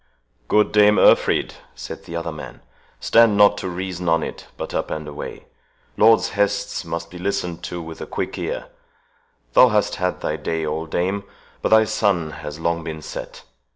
"Good Dame Urfried," said the other man, "stand not to reason on it, but up and away. Lords' hests must be listened to with a quick ear. Thou hast had thy day, old dame, but thy sun has long been set.